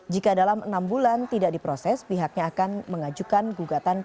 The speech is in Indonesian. jika dalam enam bulan tidak diproses pihaknya akan mengajukan gugatan